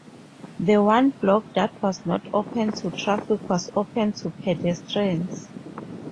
The one block that was not open to traffic was open to pedestrians.